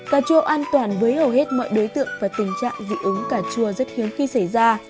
cà chua an toàn với hầu hết mọi đối tượng và tình trạng dị ứng cà chua rất hiếm khi xảy ra